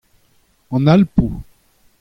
An Alpoù.